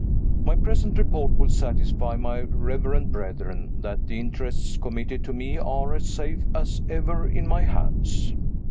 My present report will satisfy my reverend brethren that the interests committed to me are as safe as ever in my hands.